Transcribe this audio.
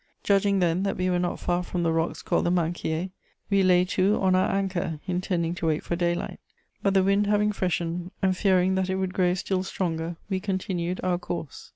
Judging then that we were not far from the rocks called the 'Mainquiers,' we lay to on our anchor, intending to wait for daylight; but, the wind having freshened, and fearing that it would grow still stronger, we continued our course.